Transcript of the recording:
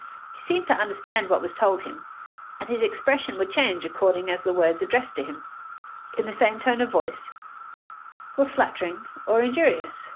He seemed to understand what was told him, and his expression would change according as the words addressed to him, in the same tone of voice, were flattering or injurious.